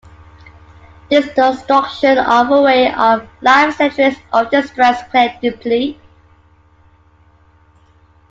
This destruction of a way of life centuries old distressed Clare deeply.